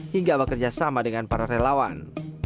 hingga bekerja sama dengan para relawan